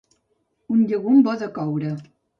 Un llegum bo de coure.